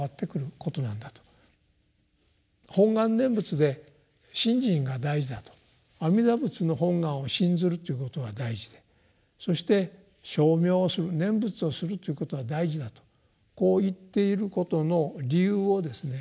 「本願念仏」で「信心」が大事だと阿弥陀仏の本願を信ずるということが大事でそして称名をする念仏をするということが大事だとこう言っていることの理由をですね